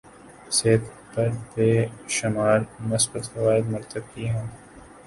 صحت پر بے شمار مثبت فوائد مرتب کیے ہیں